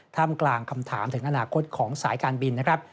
กลางคำถามถึงอนาคตของสายการบินนะครับ